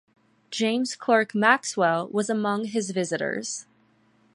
James Clerk Maxwell was among his visitors.